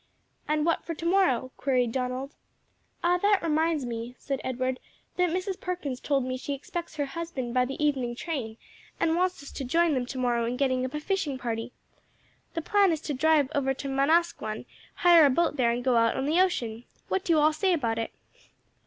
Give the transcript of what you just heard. "And what for to morrow?" queried Donald. "Ah, that reminds me," said Edward, "that Mrs. Perkins told me she expects her husband by the evening train, and wants us to join them to morrow in getting up a fishing party. The plan is to drive over to Manasquan, hire a boat there and go out on the ocean. What do you all say about it?"